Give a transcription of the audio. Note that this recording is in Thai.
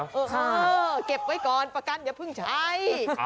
เออเก็บไว้ก่อนประกันอย่าเพิ่งใช้